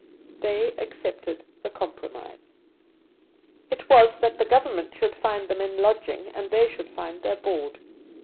They accepted the compromise. It was that the Government shouldnfi^d them in lodging and they should find their board.